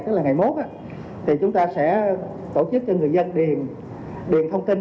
tức là ngày một thì chúng ta sẽ tổ chức cho người dân điền thông tin